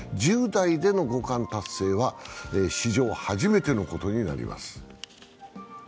１０代での五冠達成は史上初めてのことになります。